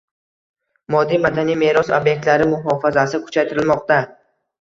Moddiy madaniy meros ob’ektlari muhofazasi kuchaytirilmoqdang